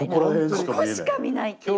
ここしか見ないっていう。